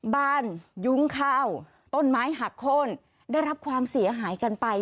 ยุ้งข้าวต้นไม้หักโค้นได้รับความเสียหายกันไป